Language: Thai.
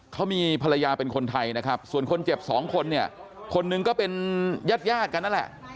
เขามีภรรยาเป็นคนไทยส่วนคนเจ็บ๒คนคนหนึ่งก็เป็นญาติยากันนั่นแหละ